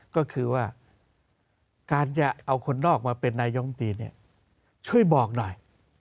ก็คือว่าการจะเอาคนนอกมาเป็นนายมตรีเนี่ยช่วยบอกหน่อย